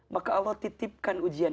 maka allah titipkan ujian